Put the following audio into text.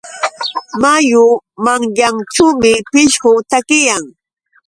Mayu manyanćhuumi pishqu takiyan.